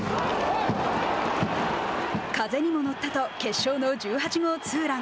「風にも乗った」と決勝の１８号ツーラン。